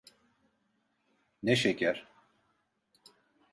Ne şeker.